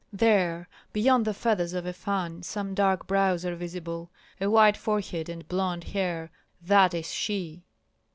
"There! beyond the feathers of a fan some dark brows are visible, a white forehead and blond hair. That is she!"